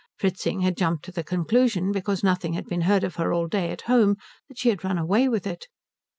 Fritzing had jumped to the conclusion, because nothing had been heard of her all day at home, that she had run away with it.